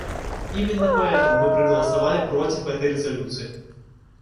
Именно поэтому мы проголосовали против этой резолюции.